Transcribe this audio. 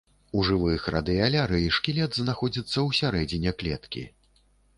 У жывых радыялярый шкілет знаходзіцца ўсярэдзіне клеткі.